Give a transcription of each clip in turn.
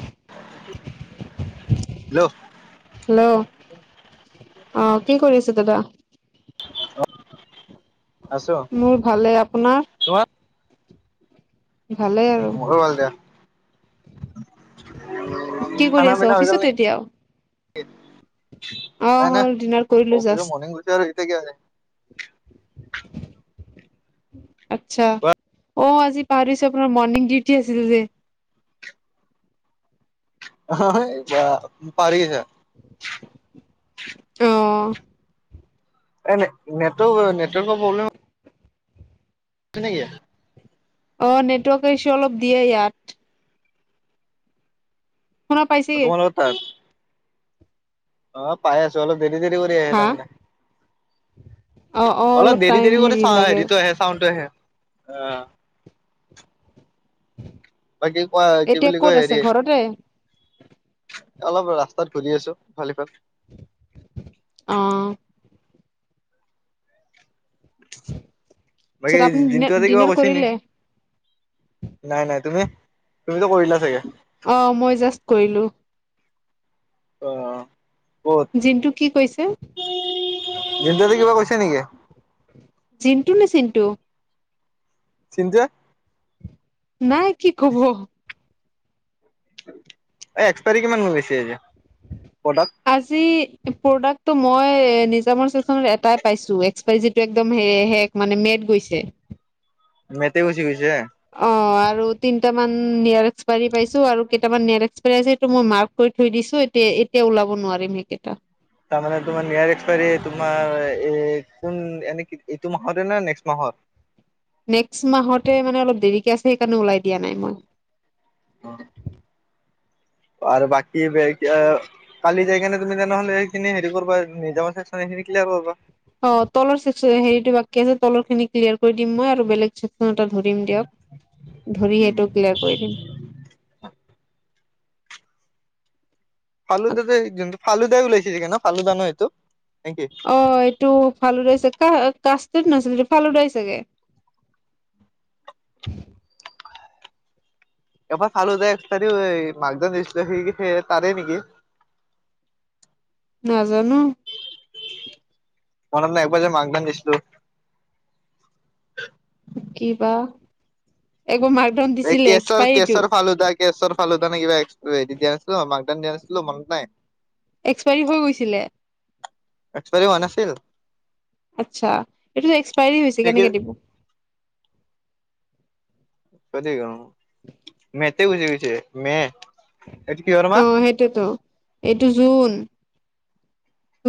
Hello! Hello! অ', কি কৰি আছে দাদা? আছো মোৰ ভালে, আপোনাৰ? তোমাৰ ভালেই আৰু। মোৰো ভাল দিয়া কি কৰি খানা আছে পিনা হৈ গ'ল অফিচত নেকি? এতিয়াও অ নাই, নাই। হ'ল ডিনাৰ কৰিলো অফিচত জাষ্ট মৰ্ণং [unintelligible] [inaudible] আচ্ছা, অ' আজি পাৰিছো আপোনাৰ মৰ্ণিং ডিউটি আছিল যে। হেই বা [unintelligible] মোক পাহৰি গৈছা অঁ। এ' নেটৰ্ৱক নেটৱৰ্ক নেটৱৰ্কৰ প্ৰব্লেম শনেকিয়ে [unintelligible] অ নেটৱৰ্কৰ ইচু অলপ দিয়ে ইয়াত। শুনা পাইছে আপোনালোকৰ তাত? অ পাই আছো অলপ দেৰি দেৰি কৰি আহে হা তাৰমানে। অ অ অলপ দেৰি - টাইম দেৰি কৰি হেৰি চা লাগে হেৰিতটো আহে চাউনটো আহে। অঁ। বাকী কোৱা কি এতিয়া বুলি ক'ত কয় আছে হেৰি। ঘৰতে অলপ ৰাস্তাত ঘূৰি আছো ইফাল সিফাল। অহ। বাকী পিছত আপুনি ডিনা দিনটো এতে কিবা ডিনাৰ কৈছে নে নাই কৰিলে [inaudible] নাই নাই তুমি তুমি তো কৰিলা চাগে? অ মই জাষ্ট কৰিলো। অঁ। জিন্টু কি কৈছে? [unintelligible] কিবা কৈছে নেকি জিণ্টু নে চিণ্টু? চিন্তোৱে? নাই কি ক'ব। এই এক্সপাৰী কিমান মান গৈছে প্ৰডাক আজি প্ৰডাক্টটো মই নিজামৰ চেকনত এটাই পাইছো এক্সপাইজীটো একদম হ শেষ মানে মেদ গৈছে। মেতে গুচি গৈছে অ অ আৰু তিনটা মান নেৱাৰ এক্সপাইাৰী পাইছো আৰু কেইটামান নেৱাৰ এক্সপাইাৰী আছে সেইটো ইটো মই মাৰ্ক কৰি থৈ দিছো। এ এতিয়া ওলাব নোৱাৰিম সেইকেইটা। তাৰমানে তোমাৰ নিয়াৰ এক্সপায়াৰী তোমাৰ এ কোন এনে কি এইটো মাহতে নে নেক্সট মাহত? নেক্সট মাহতে মানে অলপ দেৰিকে আছে সেইকাৰণে ওলাই দিয়া নাই মই। অ আৰু বাকী ভে কালি যাই কিনে তুমি তেনেহলে সেইখিনি হেৰি কৰিবা নিজেই চেন বাবা অ তলৰ চেক হেৰিটো বাকী আছে তলৰ খিনি ক্লিয়াৰ কৰি দিম মই আৰু বেলেগ চে ধৰিম দিয়ক ধৰি সেইটো ক্লিয়াৰ কৰি দিম। ফালুদা ফালুদাই ওলাইছিলি কে ন ফালুদান নো সেইটো অ এইটো ফেলুদা চা কাক কাচত নাছিলে ফালদাই চাগে এবাৰ চালো যায় এক তাৰ মাকজন দি সেই তাৰে নেকি? [inaudible] নাজানো মনত ন একবাৰ যে মাক ধান দিছিলো কি বা এক মা এই কেশৰ কেশৰ ফালুদা [unintelligible] দিয়া আছিলোঁ মনত নাই? এক্সপায়ৰী হৈ গৈছিলে। এক্সপেৰি হোৱা নাছিল। আছা, এইটোতো এক্সপাইৰী হৈছে কেনেকে দিব? হয় দে মে তে গোছি গৈছে। মে এইটো কিহৰ মাহ আ'হ সেইটোতো, এইটো জুন।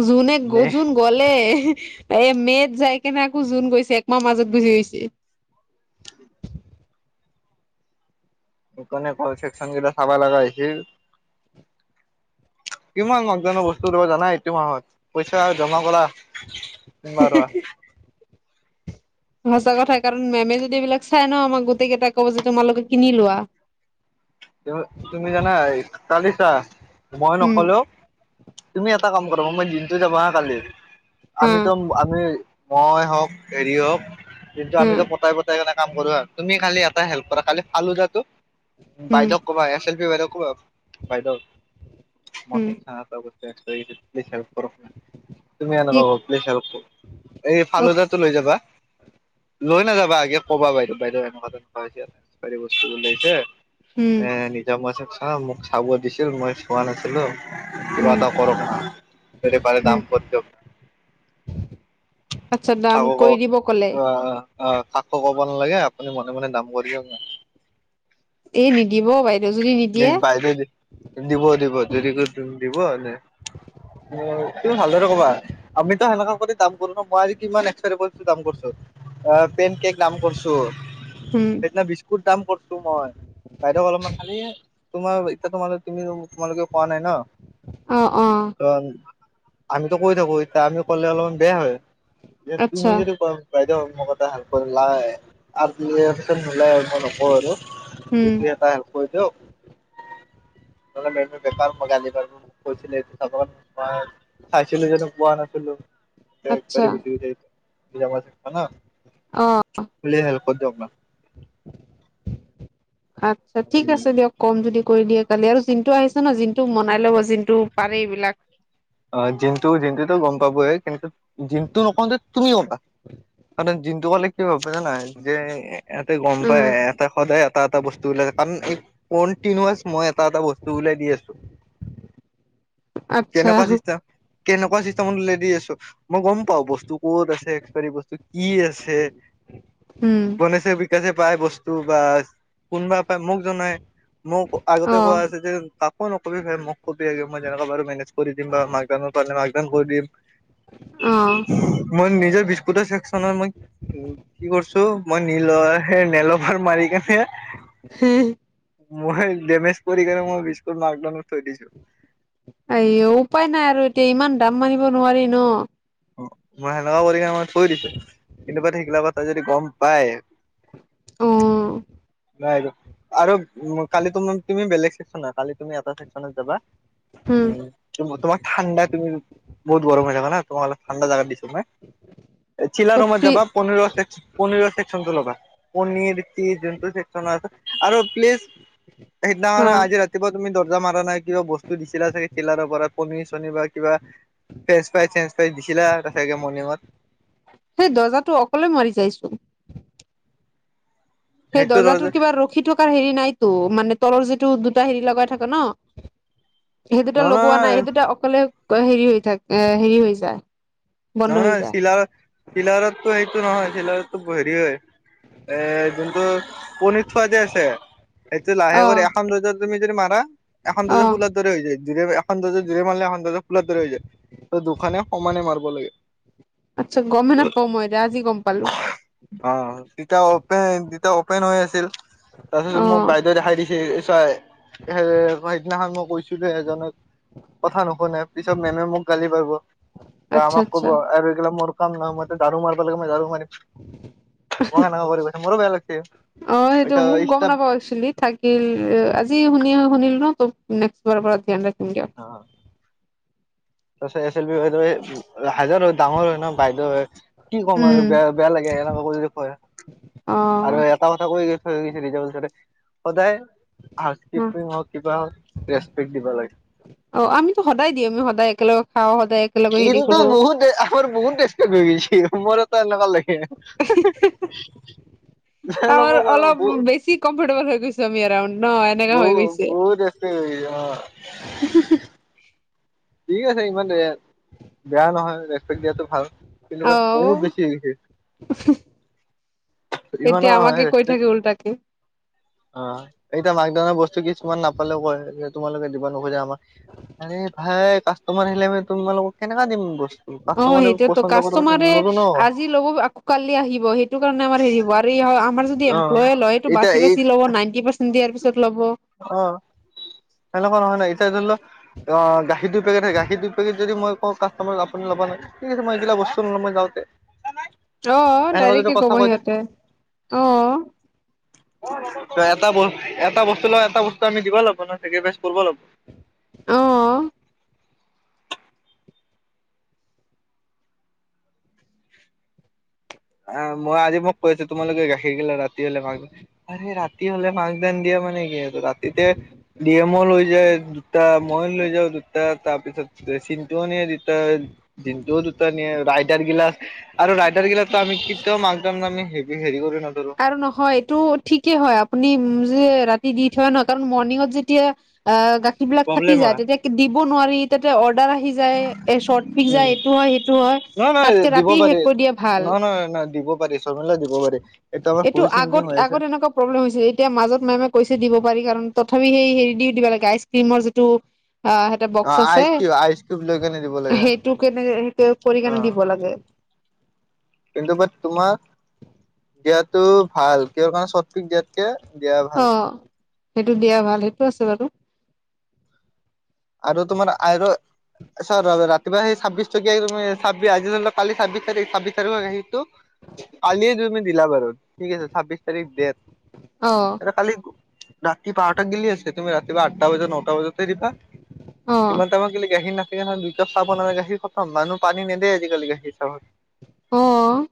জুনে, মে জুন গলে। এই মে'ত যাই কেনে আকৌ জুন গৈছে, একমাহ মাজত গুচি গৈছে। [unintelligible] [unintelligible] কিমান মজা ধৰণৰ বস্তু দিব জানা এইটো মাহত। পইচা আৰু জমা কৰা। [inaudible] সঁচা কথা কাৰণ মেমে যদি এইবিলাক চাই ন' আমাক গোটেই কেইটাই ক'ব যে তোমালোকে কিনি লোৱা। তুমি জানা কালি চা মই উম নকলেও তুমি এটা কাম কৰা মই দিনটো যাব হা কালি। হা আমিতো আমি মই হওঁক, হেৰি হওঁক কিন্তু হা আমিতো পতাই পতাই কেনে। কাম কৰো তুমি খালি এটা হেল্প কৰা খালি ফালুদাটোক যে উম বাইদেক ক'বা এ [unintelligible] বাইদেউক ক'বা। বাইদেউ উম [unintelligible] প্লিজ হেল্প কৰক না। তুমি কি এনেকুৱা কবা, প্লিচ হেল্প এই অ ফালদাটো লৈ যাবা। লৈ নাযাবা আগে কবা বাইদেউ, বাইদেউ এনেকুৱা তেনেকুৱা হৈছে বস্তু ছে উম এ নিজ মই চাম মোক চাব দিছিল মই চোৱা নাছিলো। কিবা উম এটা কৰক না যদি পাৰে উম দাম কৰি দিয়ক। আচ্ছা দাম কৰি দিব ক'লে [unintelligible] অ' কাকো ক'ব নালাগে আপুনি মনে মনে দাম কৰি দিয়ক না। এই নিদিব বাইদেউ। যদি নিদিয়ে বাইদেউ দি দিব দিব যদি কৰিম দিব নে তুমি ভালদৰে কবা। আমিতো সেনেকা কৰি দাম কৰো ন মই আজি কিমান এক্সপেৰী দাম কৰিছো। কেক দাম কৰিছো। উম সেইদিনা বিস্কুট দাম কৰিছো মই বাইদেউক অলপমান খালি। তোমাৰ এতিয়া তোমালোক তুমি তোমালোক কোৱা নাই ন'। অ' অ'। কাৰণ আমিতো কৈ থাকো এতিয়া আমি ক'লে অলপমান বেয়া হয় এ তুমি আচ্ছা যদি কম বাইদেউ মোক এটা হেল্প কৰিলাই আৰু নোলাই আৰু মই নকওঁ আৰু এই উম, খিনি এটা হেল্প কৰি দিয়ক। নহ'লে মেমে বেপাৰ কৰে, আজিকালি হিচাপত তোমাৰ খাইছিলো জানো চোৱা নাছিলো আচ্ছা খা ন'। অহ। বুলি হেলপ কৰি দিয়ক না আতছা ঠিক আছে দিয়ক, ক'ম যদি কৰি দিয়ে। কালি আৰু জিন্টু আহিছে ন' জিন্ট মনাই ল'ব পাৰে এইবিলাক। অ' জিন্টু গ'ম পাবয়ে কিন্তু জিন্টু নকওঁতে তুমি গম পা কাৰণ তাত জিন্তু কলে কি হব গ'ম পাইছানে নাই? যে ইহঁতে গম পাই উম, এটা সদায় এটা এটা বস্তু ওলাইছে কাৰণ এ কনটিনাছ মই এটা এটা বস্তু উলা এ দি আছো। আতছা কেনেকুৱা চিষ্টেম কেনেকুৱা চিচতেম হ'লে দি আছো। মই গম পাও বস্তু ক'ত আছে এক্সপাইৰী বস্তু কি আছে? উম, গণেশে এযে পায় বস্তু বা কোনোবা পায় মোক জনাই। মোক আগতে কোৱা অ', আছে যে তাকো নকবি ভাই মোক কবি আগে মই যেনেকে পাৰো মেনেজ কৰি দিম বা মাকদানৰ পালে মাকদান কৰি দিম। অ'। মই নিজৰ বিস্কুট চেকচনৰ মই উ কি কৰিছো মই নীলৰ সে নলফাৰ মাৰি কে হে ম সেই ডেমেজ কৰিকেণে মই বিস্কুল মাৰ্কডনত থৈ দিছো। আইও উপায় নাই আৰু এতিয়া ইমান দাম মানিব নোৱাৰি ন। মই সেনেকুৱা কৰি কিনে মই থৈ দিছো, কিন্তু পা সেইগিলা কথা যদি গম পায় আহ। নাই আৰু কালি তুমি বেলেগ চেক্যন কালি তুমি এটা ছেকশ্যনত যাবা। উম তোমাক ঠাণ্ড তুমি বহুত গৰম জাগা ন তোম ঠাণ্ডা জাগা দি তু চিলা ৰুমত কত্ৰি যাবা পনীৰ পনীৰ ছেকচনতটো ল'বা। পনীৰ চিজ যোনটোু সচ আছে আৰু প্লিজ সেইদিনাৰ হা আজি ৰাতিপুৱা তুমি দ জা মাৰা নাই কিবা বস্তু দিছিলা চাগে ডিলাৰৰ পৰা পনী চনী বা কিবা ফ্ৰোই চে ত দিছিলা তচাকে মৰ্ণিঙত সেই দৰ্জাটো অকলে মাৰি যাইচোন। সেই সেইটো ৰ দৰ্জা নহয় তটোৰ কিবা ৰখি থকাৰ হেৰি নাইতো মানে তলৰ য টো দুটা হেৰি লগাই থাক ন সেই দুটা লগোৱা নাই নহয় সেই দুটা অকলে হেৰি হৈ থাক এ হেৰি হৈ যায় বন্ধ নহয়, হৈ নহয় যায় চিলাৰ চিলাৰততটো সটো নহয় চিলাৰটো হেৰি হয় এ যোনটো পনিৰ থোৱাদে আছে সেইটো লাহে কৰি অ'। এখন ৰজা তুমি যদি মাৰা এখন ৰোজা অ', খোুলাৰ দৰে হৈ যায়। দুৰে এখন দৰ্জা জৰে মাৰিলে এখন দৰ্জা খোলাৰ ধৰে হৈ যায় ত দুখানে সমানে মাৰব লাগে। [unintelligible] আচ্ছা গমে নাপাও মই এতিয়া আজি গম পালো অ তেতি দু অপেন হৈ আছিল তাৰপিছত মোক অ', বাইদেউে দেখাই দিছে চাই এ ফহিদনাখনান মই কৈছিলো এজনক কথা নুশুনে পিছত মেমে মোক গালি পাৰাব বা আচ্ছা আমাক আচ্ছা কব আৰু এইিলা মোৰ কাম নহয় মইো ঝাৰু মাৰিব লাগে মই ঝাৰু মাৰিম মই সনেুৱা কৰিছে মোৰো বেয়া লাগছি অ সেইটো মোক এতিয়া গম ষ্টাফ নাপাও একচেলি থাকিল আজি শুনি শুনিলো ন। নেক্চ বাৰ পৰা ধ্যান ৰাখ অ',। তছে এচ এল বি বাইদেউ হাইদাৰ হয় ডাঙৰ হয় ন বাইদেউ হয় কি ক'ম আৰু উম বেয়া বেয়া লাগে এনেকুৱা কৰি কয় অ', আৰু এটা কথা কৈ গৈ থৈ গৈছে যাবচ সদায় হাউচপিং হও কিবা ৰেচপেক্ট দিব লাগে। অ, ' আমিতো সদায় দি আমি সদায় একেলগে খাওঁ সদায়। একেলগে হেৰি কিন্তু কৰো বহুত আমাৰ বহুত ষ্টিছে মোৰতো এনেকুৱা লাগি আমাৰ অলপ বেছি কমফৰ্টেবল হৈ গৈছে জমি এৰাউ ন এনেকা বহু হৈ গৈছে। বহুত ৰেচপেক্ট হৈ গৈছে অ ঠিক আছে ইমান বেয়া, বেয়া নহয়। দিয়াতটো ভাল কিন্তু বহুত অ', বেছি হৈ গৈছে। ইমানো এতিয়া নহয় আমাকে কৈ থাকে উল্টাকে অ', এতিয়া মাক ধৰ বস্তু কিছুমান নাপালেও ক তোমালোকে দিবা নোখোজা আমাক ভাই কাষ্টমাৰ আহিলে আমি তোমালোকক কেনেকা দিম বস্তু অ, ' কাষ্টমাৰে সেইটোয়তো পচন্দ কৰিব কাষ্টমাৰে নোৱাৰো ন আজি ল'ব আকৌ কালি আহিব সেইটো কাৰণে আমাৰ হেৰি হয় আমাৰ যদি অ এম্লয় লয় সটো বাছ এতিয়া এই বাচি লব নাইনটি পাৰ্চেট দিয়াৰ পিত অ, '। সেনেকুৱা নহয় নাই এতিয়া ধৰি লও অ গাখীৰ দুই পেকেটে গাখীৰ দুই পেকেট যদি মই কাষ্টমাৰ আপনি ল'ব নাই ঠিক আছে মই এইবিলাক বস্ত নলো মই যাওঁতে আহ এনেকুৱা যদি ডাইৰেক্ট কথা কব কৈ দে সিহঁতে আহ এটা এটা বস্তু ল এটা বস্তু আমি দিব লাগিব ন চেকিৰিফাইচ কৰিব লাগিব। আহ। আহ মই আজি মোক কৈ আছো তোমালোকে গাখীৰ গিলা ৰাতি হলে মাক ৰাতি হলে মা ধান দিয়া মানে কি ৰাতিতে ডি এমো লৈ যায়। দুটা মই লৈ যাও দুটা। তাৰ পিছত চিনটোও নিয়ে দুটা জিনটোও দুটা নিয়ে ৰাইডাৰ গিলাচ আৰু ৰাইডাৰ গিলা আমি কেতিয়াও [unintelligible] হেৰি কৰি নধৰো আৰু নহয়, এইটো ঠিকেই হয়, আপুনি যে, ৰাতি দি থৈ ন? কাৰণ মৰ্নিংত যেতিয়া আ, গাখী বিলাক থাকি প্ৰব্লেম যায়, হয় তেতিয়া দিব নোৱাৰি তাতে অৰ অৰ্ডাৰ আহি যায়, এ, চৰ্ট পিজ্জা উম এইটো হয়, সেইটো হয়, নহয় নহয় তাতকে দিব ৰাতি পাৰি শেষ কৰি দিয়া ভাল। নহয় নহয় নহয় দিব পাৰি [unintelligible] দিব পাৰি। আমাৰ এইটো ভুল থিংকিং আগত, হৈ আছে আগত এনেকুৱা প্ৰব্লেম হৈছে এতিয়া মাজত মেমে কৈছে দিব পাৰি কাৰণ ত' তথাপি সেই হেৰি দি দিবা লাগে আইচক্ৰীমৰ যিটো অ', সেইতে অ বক্স আইচ আছে, কিউব আইচ কিউব লৈ কেনে দিব লাগে সেইটো কেনে, সেইটো কৰি অ কেনে দিব লাগে। কিন্তু বা তোমাক দিয়াতো ভাল কিয় কাৰণে সতিক দিয়াত কে, দিয়া অ ভাল। সেইটো দিয়া ভাল সেইটো আছে বাৰু। আৰু তোমাৰ আৰু চৰ ৰা-ৰাতিপুৱা সেই ছাব্বিশ টকীয়া [unintelligible] আজ ধৰি কালি ছাব্বিশ তাৰিখ, ছাবিশ তাৰিখৰ গাখীৰটো কালিয়ে তুমি দিলা বাৰু ঠিক আছে, ছাব্বিছ তাৰিখ ডেত অ এ, কালি ৰাতি বাৰটা দিলি আছে, তুমি ৰাতিপুৱা আঠটা বজাত, নটা বজাতে দিবা। অ ইমান টাইমত [unintelligible] সেইকাৰে দুইকাপ চাহ বনালে গাখীৰ খতম মানুহ পানী নেদে আজিকালি গাখীৰ চাহত। অ'।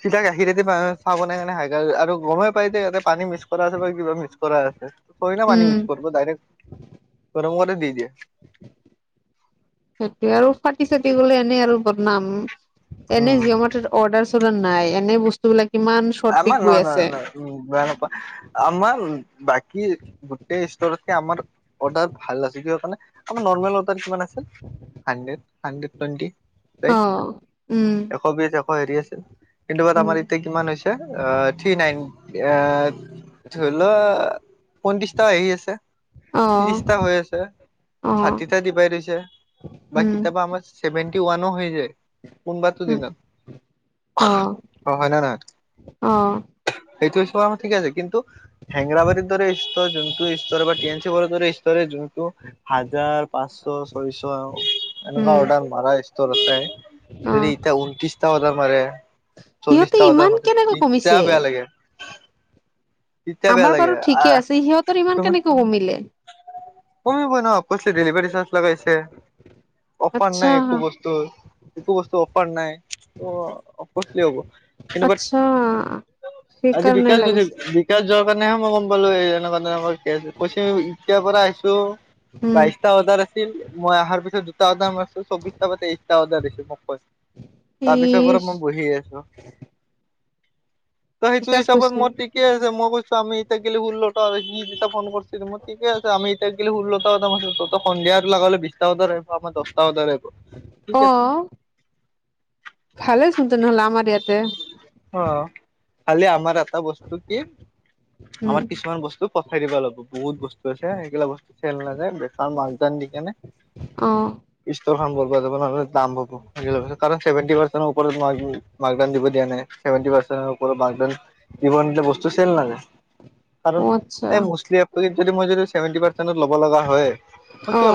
চিধা গাখীৰেদি চাহ বনাই [unintelligible] গৰমে পাই যে, ইয়াতে পানী মিচ কৰা আছে বা কিবা মিক্স কৰা আছে থৰে না উম পানী মিক্স কৰিব ডাইৰেক্ট গৰম কৰি দি দিয়ে সেইটোৱে আৰু ফাটি চাটি গলে এনেই আৰু বনাম এনে উম জিঅ মাৰ্তত অৰ্ডাৰ চৰ্দাৰ নাই এনেই বস্তুবিলাক আমাৰ ন ন ন উম বেয়া নোপোৱা আমান বাক কি গোটেই স্তৰতকে আমাৰ অৰ্ডাৰ ভাল আছে কিহৰ কাৰণে আমাৰ নৰ্মেল অৰ্ডাৰ কিমান আছিল হাড্ৰেড হাড্ৰড টুৱেটি অ উম হয় হেৰি আছিল কিন্তু বাট উম আমাৰ এতিয়া কিমান হৈছ অ থ্ৰী নাইনট এ ধৰি লোৱা পত্ৰিশ টকা আহি আছে অ ত্ৰিশটা হৈ আছে অ ষাঠিটা ডিভাইড হৈছে বা উম কিতাবা আমাৰ চেভেনটি ওৱানো হৈ যায় কোনবটো উম দিনত অ অ হয় না নহয় অ সেইটোব হিচাপ আমাৰ ঠিকে আছে কিন্তু হেংৰাবাৰীৰ দৰে স্তৰ যোনটো [unintelligible] স্তৰে যোনটো হাজাৰ পাঁচশ ছয়শ এনেকুৱা উম অৰ্ডাৰ মৰা স্তৰ আছে অ যদি এতিয়া ওন্টিছ টা অৰ্ডাৰ মাৰে সিহঁতে চল্লিশটা অৰ্ডাৰ ইমান মতে কেনেকৈ কমিছে তেতিয়া বেয়া লাগে এতিয়া বেয়া আমাৰ লাগে বাৰু ঠিকে আহ আছে সিহঁতৰ ইমান তুমি কেনেকৈ কমিলে কমিবই ন কৈছিলে ডেলিভী চাৰ্জ লাগাইছে অফাৰ নাই আচ্ছা একো বস্তু একো বস্তু অফাৰ নাই ত অষ্টলি হ'ব কিন্তু বাট আচ্ছা আজি সেইকাৰণে বিকাশ গৈছে লাগিছে বি বিকাশৰ কাৰণেহে মই গম পালো এই এনেকুৱা তেনেকুৱা কেচ কৈছে এতিয়াৰ পৰা আহছো উম বাইশটা অৰ্ডাৰ আছিল মই অহাৰ পিছত দুটা অৰ্ডাৰ মাৰিছোঁ চৌবিশটা বাটে তেইছ টা অৰ্ডাৰ দিছো মোক তাৰপিছৰ পৰা ইচ মই বহিয়ে আছো ত সেইটো বিকাশ হিচাপত কৈছে মোৰ থিকে কৈছোঁ আমি এতিয়া গ'লে ষোল্লটা সি যেতিয়া ফোন কৰিছোঁ মই ঠিকে আছে আমি এতিয়া গ'লে ষোল্লটা ত সন্ধিয়াটো লগ হ'লে বিছটা বততে আমাৰ দহটা বজাত লব ঠিক অ আছে ভালে চোন তেনেহলে আমাৰ অ দেতাই খালি আমাৰ এটা বস্তু কি উম আমাৰ কিছুমান বস্তু পঠাই দিব লাগব, বহুত বস্তু আছে সেইগিলা বস্তু খেল নাযায় বেকাৰ মান দান দি কি কাৰণে অহ যাব নহলে দাম হাবব কাৰণভেটি পাৰ্চৰ ওপৰত নোৱাৰ। ম্ দিব দিয়া নাইভেট পাৰৰত ম্ দিব নিদিলে বস্তু চেল নযায়। কাৰণ অ আচ্ছা এই মুলি যদি মই যভেটি পাৰ্চেত লব লগা হয়। অ